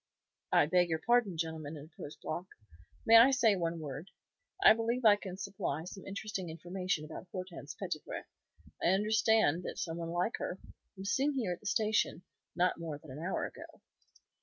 "I beg your pardon, gentlemen," interposed Block. "May I say one word? I believe I can supply some interesting information about Hortense Petitpré. I understand that some one like her was seen here in the station not more than an hour ago."